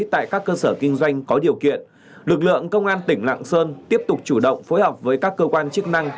tại các cơ sở kinh doanh có điều kiện lực lượng công an tỉnh lạng sơn tiếp tục chủ động phối hợp với các cơ quan chức năng